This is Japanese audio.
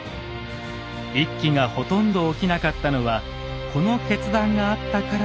一揆がほとんど起きなかったのはこの決断があったからと考えられます。